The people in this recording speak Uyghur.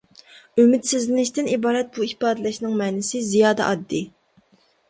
«ئۈمىدسىزلىنىش» تىن ئىبارەت بۇ ئىپادىلەشنىڭ مەنىسى زىيادە ئاددىي.